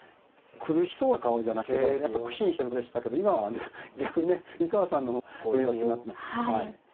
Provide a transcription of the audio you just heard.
苦しそうな顔じゃないですけどやっぱ苦心してる顔でしたけど今は逆にね西川さんの方がそういう形になってますね。